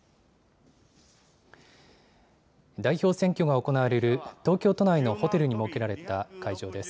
代表選挙が行われる東京都内のホテルに設けられた会場です。